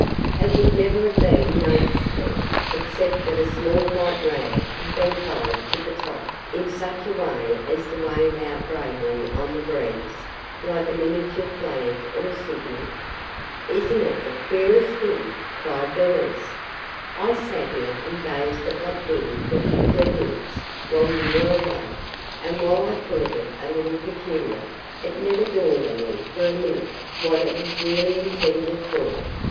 It would never have been noticeable except that a small white rag had been tied to the top in such a way as to wave out bravely on the breeze like a miniature flag or signal. "Is n't it the queerest thing!" cried Bernice. "I sat here and gazed at that thing for fifteen minutes, while you were away, and while I thought it a little peculiar, it never dawned on me for a minute what it was really intended for.